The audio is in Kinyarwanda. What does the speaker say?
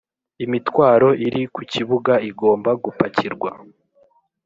imitwaro iri ku kibuga igomba gupakirwa